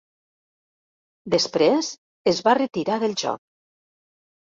Després es va retirar del joc.